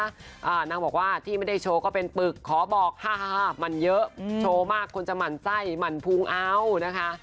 นางบอกว่าที่ไม่ได้โชว์ก็เป็นปึกขอบอกค่ะมันเยอะอืมโชว์มากคนจะหมั่นไส้หมั่นพุงเอานะคะ